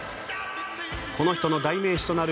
この人の代名詞となる